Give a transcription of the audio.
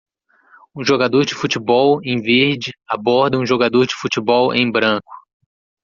Um jogador de futebol em verde aborda um jogador de futebol em branco